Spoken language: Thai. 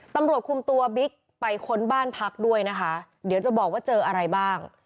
ตำรวจคุมตัวบิ๊กไปค้นบ้านพักด้วยนะคะเดี๋ยวจะบอกว่าเจออะไรบ้าง